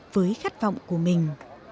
với khát vọng của mình